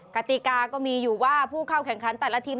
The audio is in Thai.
กติกาก็มีอยู่ว่าผู้เข้าแข่งขันแต่ละทีม